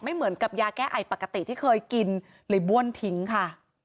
เหมือนกับยาแก้ไอปกติที่เคยกินเลยบ้วนทิ้งค่ะ